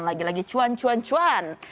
lagi lagi cuan cuan cuan